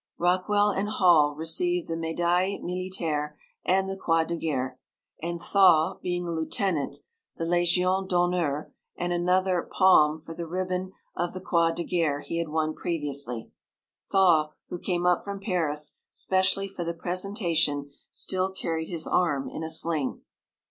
Rockwell and Hall received the Médaille Militaire and the Croix de Guerre, and Thaw, being a lieutenant, the Légion d'honneur and another "palm" for the ribbon of the Croix de Guerre he had won previously. Thaw, who came up from Paris specially for the presentation, still carried his arm in a sling.